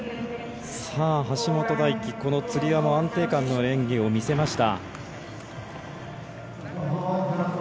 橋本大輝、つり輪も安定感の演技を見せました。